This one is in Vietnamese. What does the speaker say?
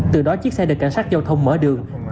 từ đó chiếc xe được cảnh sát giao thông mở đường